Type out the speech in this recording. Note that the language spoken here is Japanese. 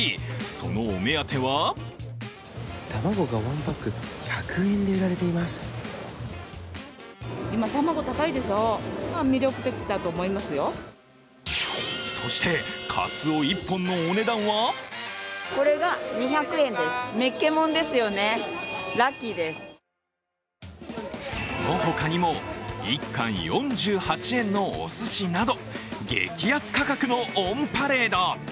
そのお目当てはそして、かつお１本のお値段はその他にも１貫４８円のおすしなど激安価格のオンパレード。